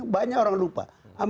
banyak orang lupa